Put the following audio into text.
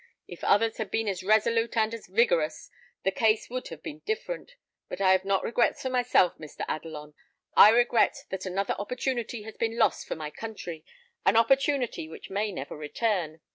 If others had been as resolute and as vigorous, the case would have been different. But I have not regrets for myself, Mr. Adelon. I regret that another opportunity has been lost for my country: an opportunity which may never return.